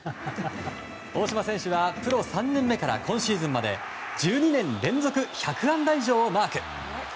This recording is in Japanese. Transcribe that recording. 大島選手はプロ３年目から今シーズンまで１２年連続の１００安打以上をマーク。